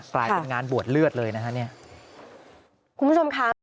กลายเป็นงานบวชเลือดเลยนะฮะเนี่ยคุณผู้ชมค่ะ